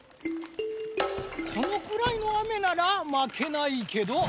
このくらいの雨ならまけないけど。